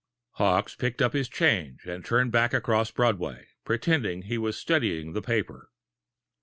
Hawkes picked up his change and turned back across Broadway, pretending he was studying the paper.